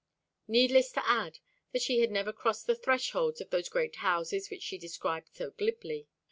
Needless to add that she had never crossed the thresholds of those great houses which she described so glibly.